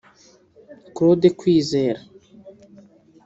Claude Kwizera